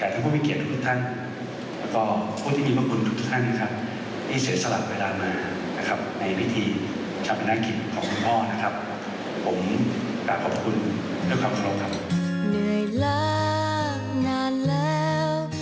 ทุกคนมีเกียรติทุกท่านแล้วก็คนที่มีบัคคุณทุกท่านนะครับ